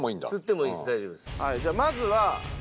はいじゃあまずは。